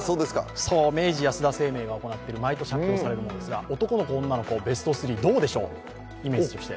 明治安田生命が発表している毎年発表されるものですが、男の子、女の子ベスト３どうでしょう、イメージとして。